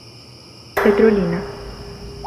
Petrolina